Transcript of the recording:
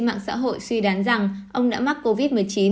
mạng xã hội suy đoán rằng ông đã mắc covid một mươi chín